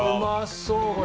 そうこれ。